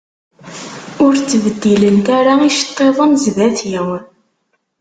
Ur ttbeddilent ara iceṭṭiḍen sdat-i.